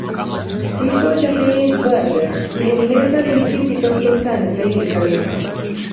Kifo cha Seyyid Barghash kilimleta kwenye kiti cha usultan Seyyid Khalifa